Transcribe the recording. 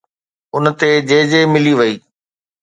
ان تي جي جي ملي وئي